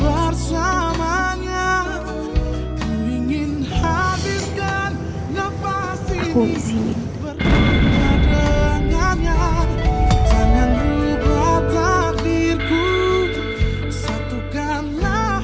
aku ngeliat kau